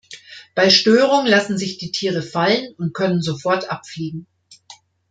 Bei Störung lassen sich die Tiere fallen und können sofort abfliegen.